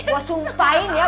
gue sumpahin ya